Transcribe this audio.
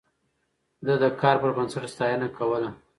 ده د کار پر بنسټ ستاينه کوله.